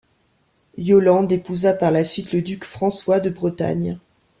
Yolande épousa par la suite le duc François de Bretagne.